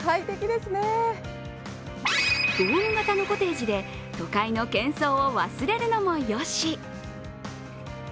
ドーム型のコテージで都会のけん騒を忘れるのもよし。